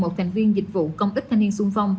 một thành viên dịch vụ công ích thanh niên sung phong